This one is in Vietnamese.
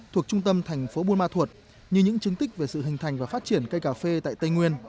thuộc trung tâm thành phố buôn ma thuột như những chứng tích về sự hình thành và phát triển cây cà phê tại tây nguyên